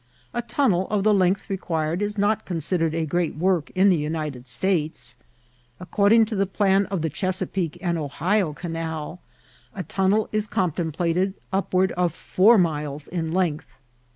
A tunnel of the length required is not considered a great work in the United States. According to the plan of the Chesapeake and Ohio Canal, a tunnel is contemplated upward of four miles in length.